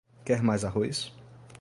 Quer mais arroz?